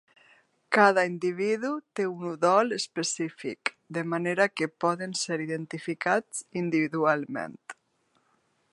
Cada individu té un udol específic, de manera que poden ser identificats individualment.